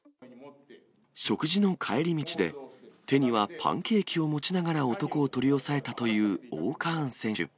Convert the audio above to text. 食事の帰り道で、手にはパンケーキを持ちながら男を取り押さえたというＯーカーン選手。